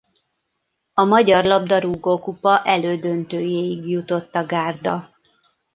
A Magyar labdarúgókupa elődöntőjéig jutott a gárda.